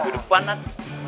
minggu depan nat